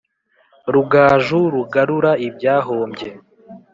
Rugaju rugarura ibyahombye